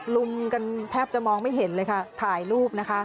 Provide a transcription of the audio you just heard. ลุมกันแทบจะมองไม่เห็นเลยค่ะถ่ายรูปนะคะ